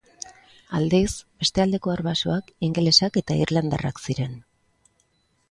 Aldiz, beste aldeko arbasoak ingelesak eta irlandarrak ziren.